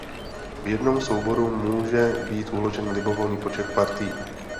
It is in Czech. V jednom souboru může být uložen libovolný počet partií.